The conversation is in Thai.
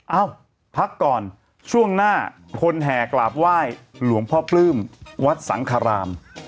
เอ้าพักก่อนช่วงหน้าคนแห่กราบไหว้หลวงพ่อปลื้มวัดสังคราม